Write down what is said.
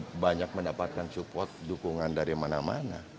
angket juga banyak mendapatkan support dukungan dan perhatian